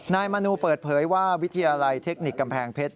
มนูเปิดเผยว่าวิทยาลัยเทคนิคกำแพงเพชร